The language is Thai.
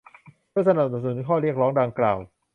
เพื่อสนับสนุนข้อเรียกร้องดังกล่าว